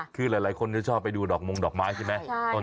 คือหลายคนจะชอบไปดูดอกมงดอกไม้ใช่ไหม